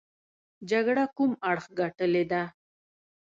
جګړه کوم اړخ ګټلې ده.